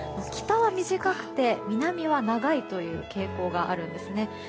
北は短くて、南は長いという傾向があるんですね。